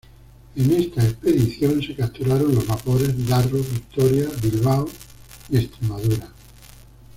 En esta expedición se capturaron los vapores "Darro", "Victoria", "Bilbao" y "Extremadura".